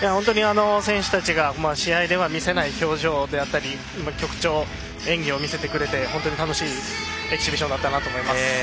選手たちが試合では見せない表情であったり曲調、演技を見せてくれて楽しいエキシビションだったなと思います。